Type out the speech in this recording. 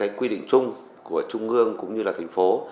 với những quy định chung của trung ương cũng như là thành phố